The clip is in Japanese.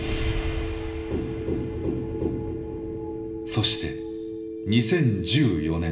そして２０１４年。